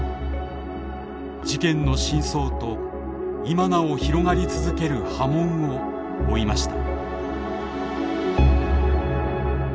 事件の深層と今なお広がり続ける波紋を追いました。